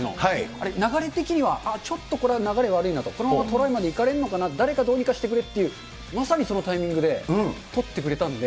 あれ、流れ的には、ちょっとこれ流れ悪いなと、このままトライまでいかれるのかな、誰かどうにかしてくれっていう、まさにそのタイミングで取ってくれたんで。